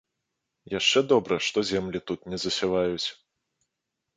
Яшчэ добра, што землі тут не засяваюць.